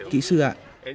kỹ sư ạ